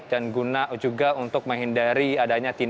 dan guna juga untuk menghindari adanya kegunaan dari partai politik